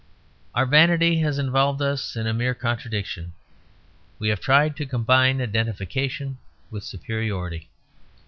Our vanity has involved us in a mere contradiction; we have tried to combine identification with superiority.